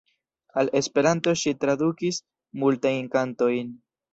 Al Esperanto ŝi tradukis multajn kantojn.